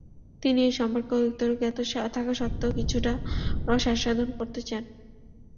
তিনি এ সম্পর্কে অধিকতর জ্ঞাত থাকা সত্ত্বেও কিছুটা রস আস্বাদন করতে চান।